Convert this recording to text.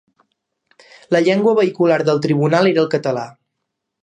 La llengua vehicular del Tribunal era el català.